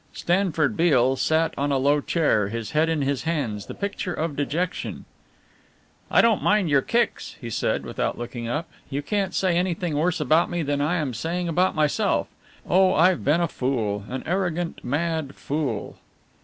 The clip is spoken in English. Stanford Beale sat on a low chair, his head in his hands, the picture of dejection. "I don't mind your kicks," he said, without looking up; "you can't say anything worse about me than I am saying about myself. Oh, I've been a fool, an arrogant mad fool."